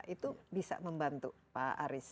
itu bisa membantu pak aris